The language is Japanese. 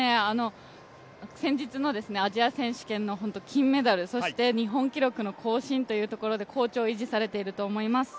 先日のアジア選手権の金メダル、そして日本記録の更新というところで好調を維持されていると思います。